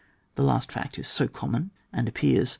This last fact is BO common, and appears so QHAP.